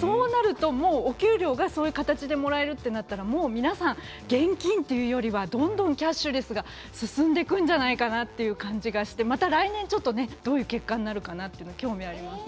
そうなるとお給料がそういう形でもらえるとなったら皆さん現金というよりは、どんとキャッシュレスが進んでいくんじゃないかなという感じがしていてまた来年どういう結果になるか興味があります。